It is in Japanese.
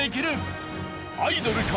アイドルか？